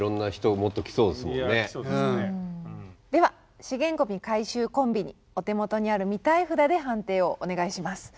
では「資源ゴミ回収“コンビニ”」お手元にある「見たい札」で判定をお願いします。